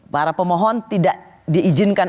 para pemohon tidak diizinkan